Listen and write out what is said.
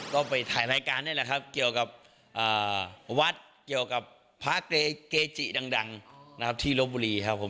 ก็ไปถ่ายรายการนี่แหละครับเกี่ยวกับวัดเกี่ยวกับพระเกจิดังนะครับที่ลบบุรีครับผม